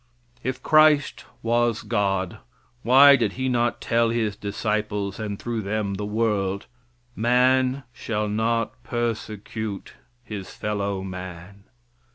If Christ was God, why did He not tell His disciples, and through them, the world, "Man shall not persecute his fellow man?"